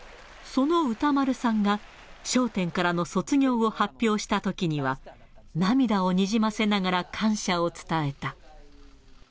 その歌丸さんが、笑点からの卒業を発表したときには、涙をにじませながら、感謝を伝えた。